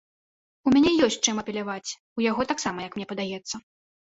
У мяне ёсць, чым апеляваць, у яго таксама, як мне падаецца.